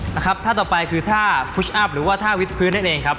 นะครับท่าต่อไปคือท่าหรือว่าท่าวิดพื้นได้เองครับ